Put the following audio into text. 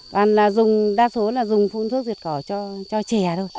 toàn là dùng đa số là dùng phun thuốc diệt cỏ cho chè thôi